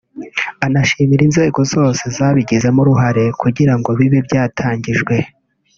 anashimira inzego zose zabigizemo uruhare kugira ngo bibe byatangijwe